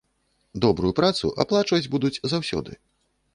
Добрую працу аплачваць будуць заўсёды.